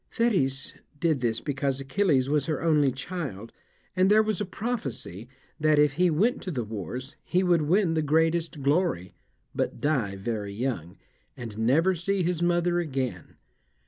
Thetis did this because Achilles was her only child, and there was a prophecy that, if he went to the wars, he would win the greatest glory, but die very young, and never see his mother again.